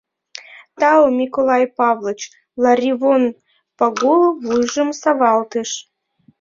— Тау, Миколай Павлыч, — Ларивон Пагул вуйжым савалтыш.